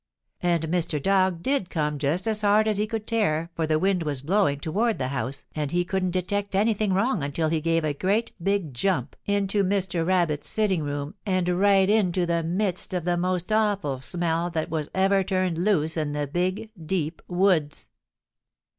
"And Mr. Dog did come just as hard as he could tear, for the wind was blowing toward the house and he couldn't detect anything wrong until he gave a great big jump into Mr. Rabbit's sitting room and right into the midst of the most awful smell that was ever turned loose in the Big Deep Woods.